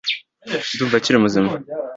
Ndumva akiri muzima.